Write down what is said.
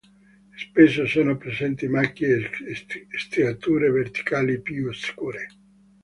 Spesso sono presenti macchie o striature verticali più scure.